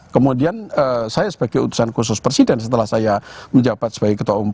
kemudian saya sebagai utusan khusus presiden setelah saya menjabat sebagai ketua umum